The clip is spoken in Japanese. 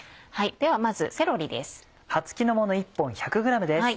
ではまずセロリです。